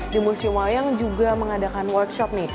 di museum wayang juga mengadakan workshop nih